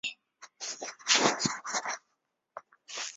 梁孔德更承认有意调整日后代表队比赛的票价。